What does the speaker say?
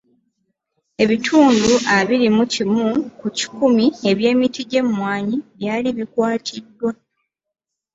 Ebitundu abiri mu kimu ku kikumi eby’emiti gy’emmwanyi byali bikwatiddwa.